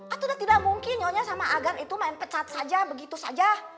atau udah tidak mungkin nyonya sama agan itu main pecat saja begitu saja